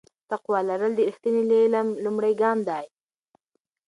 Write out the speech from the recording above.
تقوا لرل د رښتیني علم لومړی ګام دی.